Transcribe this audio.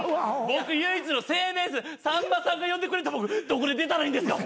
僕唯一の生命線さんまさんが呼んでくれへんかったらどこで出たらいいんですか？